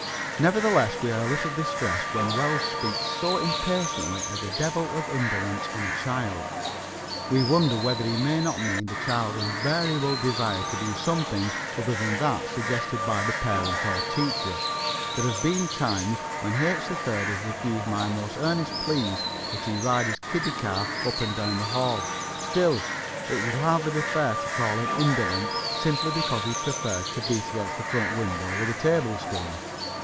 Nevertheless, we are a little distressed when Wells speaks so impatiently of the devil of indolence in a child. We wonder whether he may not mean the child's invariable desire to do something other than that suggested by parent or teacher. There have been times when H. 3rd has refused my most earnest pleas that he ride his kiddie car up and down the hall. Still, it would hardly be fair to call him indolent simply because he preferred to beat against the front window with a tablespoon.